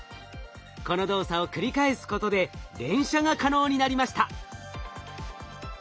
この動作を繰り返すことで連射が可能になりました。